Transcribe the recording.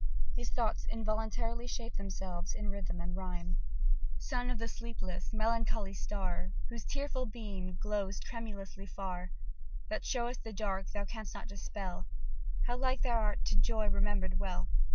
His thoughts involuntarily shape themselves in rhythm and rhyme; Sun of the sleepless! melancholy star! Whose tearful beam glows tremulously far, That show'st the darkness thou canst not dispel, How like art thou to joy remember'd well!